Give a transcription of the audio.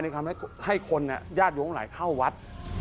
ทำให้คนญาติโยมทั้งหลายเข้าวัด